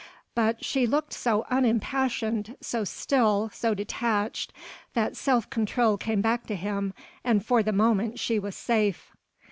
But she looked so unimpassioned, so still, so detached, that self control came back to him, and for the moment she was safe.